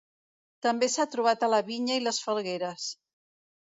També s'ha trobat a la vinya i les falgueres.